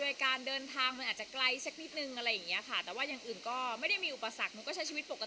โดยการเดินทางมันอาจจะไกลสักนิดนึงอะไรอย่างเงี้ยค่ะแต่ว่าอย่างอื่นก็ไม่ได้มีอุปสรรคหนูก็ใช้ชีวิตปกติ